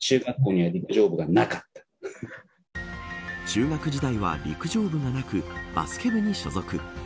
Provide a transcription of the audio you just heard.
中学時代は陸上部がなくバスケ部に所属。